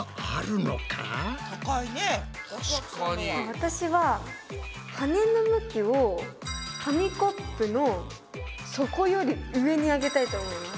私は羽の向きを紙コップの底より上に上げたいと思います。